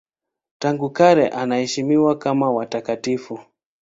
Tangu kale anaheshimiwa kama watakatifu.